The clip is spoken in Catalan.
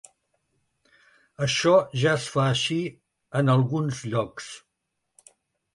Això ja es fa així en alguns llocs.